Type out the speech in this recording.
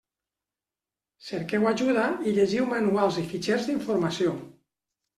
Cerqueu ajuda i llegiu manuals i fitxers d'informació.